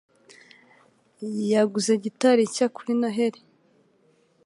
yaguze gitari nshya kuri Noheri.